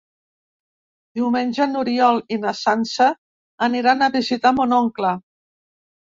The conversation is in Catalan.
Diumenge n'Oriol i na Sança aniran a visitar mon oncle.